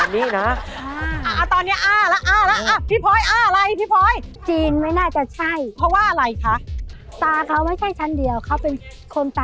มันแม่นี่นะ